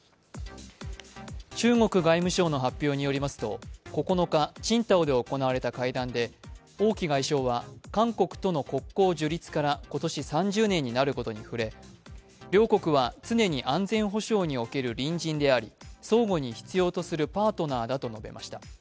中国外務省の発表によりますと９日、青島で行われた会談で王毅外相は韓国との国交樹立から今年３０年になることに触れ、両国は常に安全保障における隣人であり、相互に必要とするパートナーだと述べました。